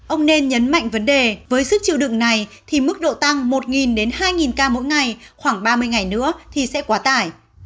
ông nên nhấn mạnh vấn đề với sức chiều đựng này thì mức độ tăng một đến hai ca mỗi ngày khoảng ba mươi ngày nữa thì sẽ quá tải